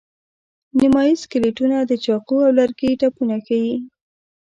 نیمایي سکلیټونه د چاقو او لرګي ټپونه ښيي.